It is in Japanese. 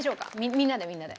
みんなでみんなで。